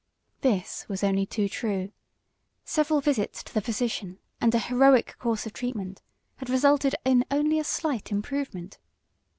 This was only too true. Several visits to the physician, and a heroic course of treatment, had resulted in only a slight improvement.